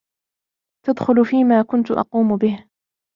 تدخل فيما كنت أقوم به.